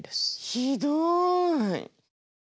ひどい。